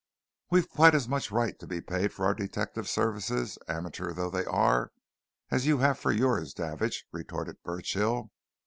"We've quite as much right to be paid for our detective services, amateur though they are, as you have for yours, Davidge," retorted Burchill.